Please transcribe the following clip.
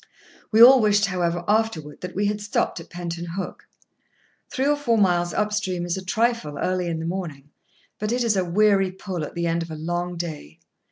We all wished, however, afterward that we had stopped at Penton Hook. Three or four miles up stream is a trifle, early in the morning, but it is a weary pull at the end of a long day.